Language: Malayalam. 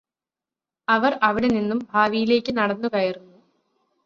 അവർ അവിടെ നിന്നും ഭാവിയിലേക്ക് നടന്നു കയറുന്നു